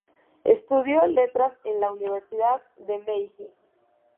Estudió letras en la Universidad de Meiji.